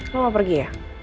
lu mau pergi ya